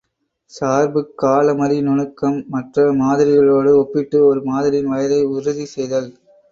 சார்புக் காலமறி நுணுக்கம் மற்ற மாதிரிகளோடு ஒப்பிட்டு ஒரு மாதிரியின் வயதை உறுதிசெய்தல்.